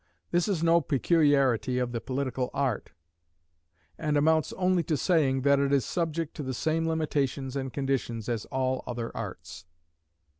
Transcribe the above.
This is no peculiarity of the political art; and amounts only to saying that it is subject to the same limitations and conditions as all other arts.